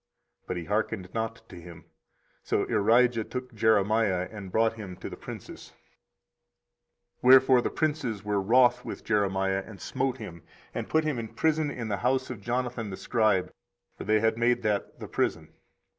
But he hearkened not to him: so Irijah took Jeremiah, and brought him to the princes. 24:037:015 Wherefore the princes were wroth with Jeremiah, and smote him, and put him in prison in the house of Jonathan the scribe: for they had made that the prison.